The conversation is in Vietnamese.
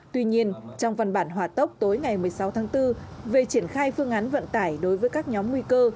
tuy nhiên trong văn bản hòa tốc tối ngày một mươi sáu tháng bốn về triển khai phương án vận tải đối với các nhóm nguy cơ